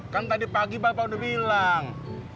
kan tadi pagi bapak udah bilang